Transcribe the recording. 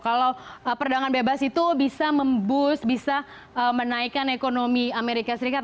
kalau perdagangan bebas itu bisa memboost bisa menaikkan ekonomi amerika serikat